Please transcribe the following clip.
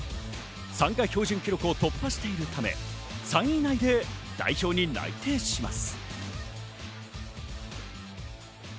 参加標準記録を突破しているため、３位以内で代表に内定します。